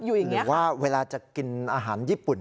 อยู่อย่างนี้ค่ะเวลาจะกินอาหารญี่ปุ่น